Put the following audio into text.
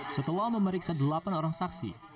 setelah memeriksa delapan orang saksi